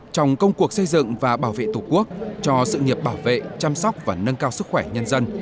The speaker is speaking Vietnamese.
trong công cuộc xây dựng và bảo vệ tổ quốc cho sự nghiệp bảo vệ chăm sóc và nâng cao sức khỏe nhân dân